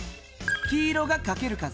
黄色がかける数。